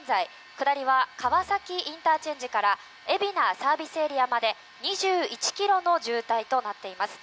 下りは川崎ＩＣから海老名ＳＡまで２１ｋｍの渋滞となっています。